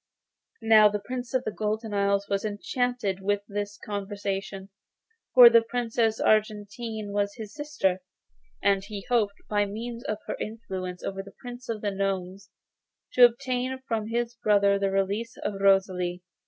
Now the Prince of the Golden Isle was enchanted with this conversation, for the Princess Argentine was his sister, and he hoped, by means of her influence over the Prince of the Gnomes, to obtain from his brother the release of Rosalie.